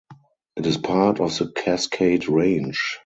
It is part of the Cascade Range.